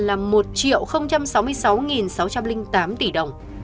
là một sáu mươi sáu sáu trăm linh tám tỷ đồng